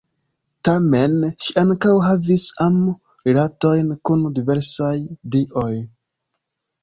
Tamen, ŝi ankaŭ havis am-rilatojn kun diversaj dioj.